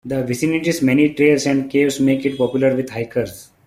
The vicinity's many trails and caves make it popular with hikers.